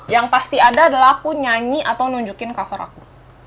yang pasti ada adalah aku nyanyi atau nunjukin cover aku